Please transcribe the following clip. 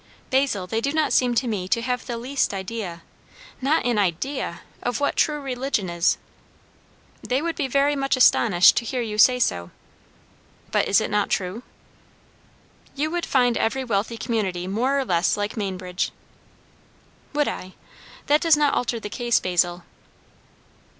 "Basil, they do not seem to me to have the least idea not an idea of what true religion is." "They would be very much astonished to hear you say so." "But is it not true?" "You would find every wealthy community more or less like Mainbridge." "Would I? That does not alter the case, Basil."